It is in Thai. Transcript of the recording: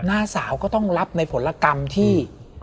หน้าสาวก็ต้องรับในผลกรรมที่